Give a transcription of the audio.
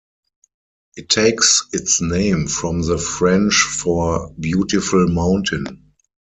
It takes its name from the French for "beautiful mountain".